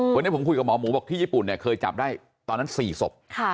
เมื่อกี้ผมคุยกับหมอหมูบอกที่ญี่ปุ่นเคยจับได้ตอนนั้น๔ศพ